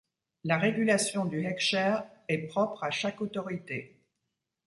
La régulation du hekhsher est propre à chaque autorité.